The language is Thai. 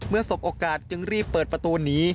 สบโอกาสจึงรีบเปิดประตูหนี